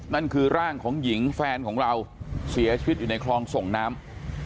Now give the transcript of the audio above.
นั่นคือร่างของหญิงแฟนของเราเสียชีวิตอยู่ในคลองส่งน้ำ